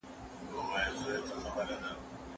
ایا استاد باید شاګرد ته خپلواکي ورکړي؟